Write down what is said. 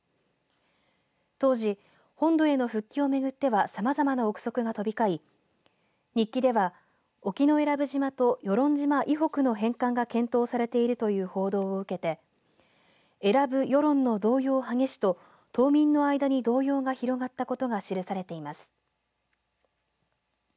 当時、本土への復帰をめぐってはさまざまな臆測が飛び交い日記では、沖永良部島と与論島以北の返還が検討されているという報道を受けて永良部与論の動揺激しと島民の間に動揺が広がったことが記されています。